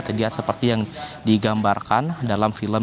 jadi seperti yang digambarkan dalam film